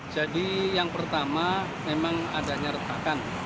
jadi yang pertama memang adanya retakan